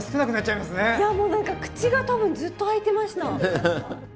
いやもう何か口が多分ずっと開いてました。